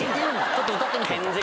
ちょっと歌ってみて。